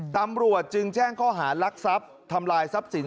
ตำรวจจึงแจ้งข้อหารักทรัพย์ทำลายทรัพย์สิน